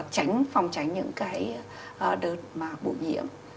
tránh phòng tránh những cái đợt mà bụi nhiễm